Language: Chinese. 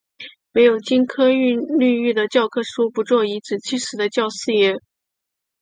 没有金科绿玉的教科书，不做颐使气指的教师爷